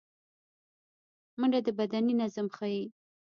منډه د بدني نظم ښيي